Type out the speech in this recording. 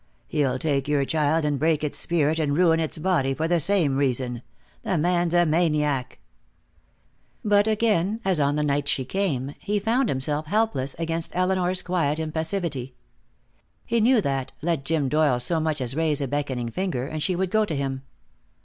He'll take your child, and break its spirit and ruin its body, for the same reason. The man's a maniac." But again, as on the night she came, he found himself helpless against Elinor's quiet impassivity. He knew that, let Jim Doyle so much as raise a beckoning finger, and she would go to him.